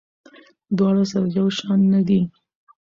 دواړه سره یو شان نه دي.